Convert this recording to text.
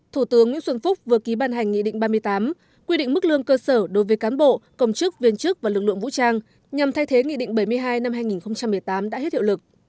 thủ tướng nguyễn xuân phúc vừa ký ban hành nghị định ba mươi tám quy định mức lương cơ sở đối với cán bộ công chức viên chức và lực lượng vũ trang nhằm thay thế nghị định bảy mươi hai năm hai nghìn một mươi tám đã hết hiệu lực